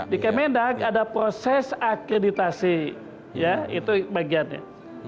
di kemendak ada proses akreditasi ya itu bagiannya